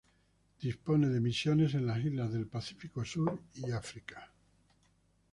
Dispone de misiones en las islas del Pacífico Sur y África.